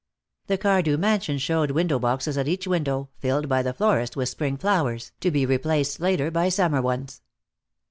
The Cardew mansion showed window boxes at each window, filled by the florist with spring flowers, to be replaced later by summer ones.